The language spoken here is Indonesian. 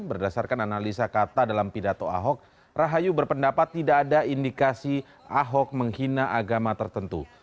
berdasarkan analisa kata dalam pidato ahok rahayu berpendapat tidak ada indikasi ahok menghina agama tertentu